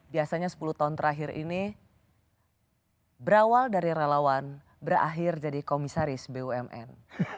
biasanya sepuluh tahun terakhir ini berawal dari relawan berakhir jadi komisaris bumn